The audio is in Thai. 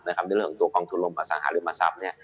ในเรื่องของตัวกองทุนรวมอสังหาริมทรัพย์